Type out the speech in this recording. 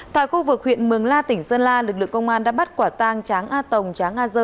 tại khu vực huyện mường la tỉnh sơn la lực lượng công an đã bắt quả tang tráng a tồng tráng a dơ